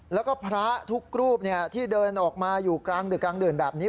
แล้วก็พระทุกรูปที่เดินออกมาอยู่กลางดึกกลางดื่นแบบนี้